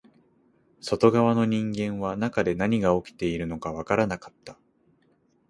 外側の人間は中で何が起きているのかわからなかった